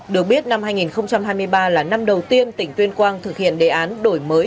được biết năm hai nghìn hai mươi ba là năm đầu tiên tỉnh tuyên quang thực hiện đề án đổi mới